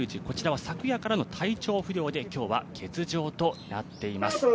こちらは昨夜からの体調不良で今日は欠場となっています。